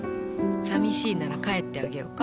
寂しいなら帰ってあげようか？